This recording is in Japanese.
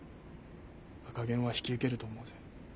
赤ゲンは引き受けると思うぜ。